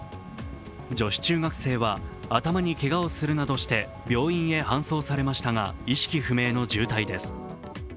女子中学生は頭にけがをするなどして病院へ搬送されましたが、意識不明の重体です。